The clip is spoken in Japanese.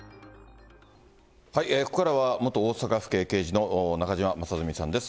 ここからは元大阪府警刑事の中島正純さんです。